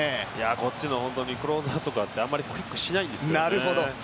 こっちのクローザーとかってあんまりクイックしないんですよね。